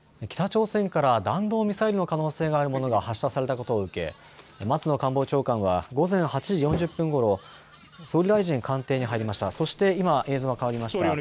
北朝鮮から弾道ミサイルの可能性があるものが発射されたことを受け松野官房長官は午前８時４０分ごろ、総理大臣官邸に入りました。